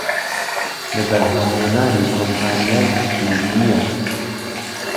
لە بەرهەمهێنانی کۆمپانیای دیزنییە